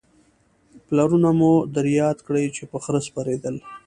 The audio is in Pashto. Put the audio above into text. پلرونه مو در یاد کړئ چې په خره سپرېدل